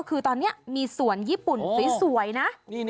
คือตอนนี้มีสวนญี่ปุ่นสวยนะ